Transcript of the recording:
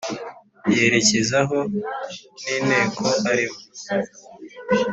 yerekezaho ni nteko arimo.